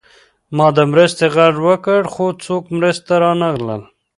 ما د مرستې غږ وکړ خو څوک مې مرستې ته رانغلل